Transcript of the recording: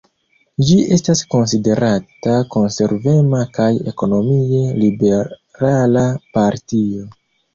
Ĝi estas konsiderata konservema kaj ekonomie liberala partio.